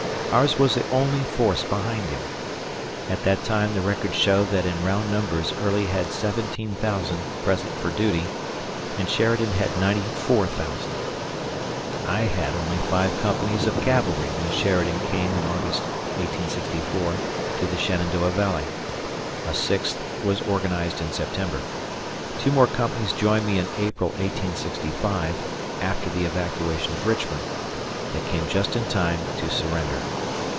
Ours was the only force behind him. At that time the records show that in round numbers Early had 17,000 present for duty, and Sheridan had 94,000. I had only five companies of cavalry when Shendan came in August, 1864, to the Shenandoah Valley. A sixth was organized in September. Two more companies joined me in April, 1865, after the evacuation of Richmond. They came just in time to surrender.